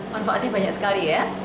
manfaatnya banyak sekali ya